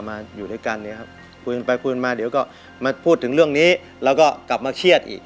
มาอยู่ด้วยกันเนี่ยครับคุยกันไปคุยกันมาเดี๋ยวก็มาพูดถึงเรื่องนี้แล้วก็กลับมาเครียดอีก